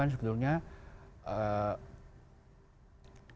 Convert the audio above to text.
ketika jaksa agung ditanya tentang